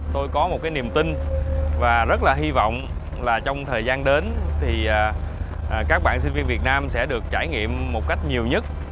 tôi có một niềm tin và rất hy vọng là trong thời gian đến các bạn sinh viên việt nam sẽ được trải nghiệm một cách nhiều nhất